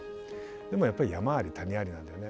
でもやっぱり「山あり谷あり」なんだよね。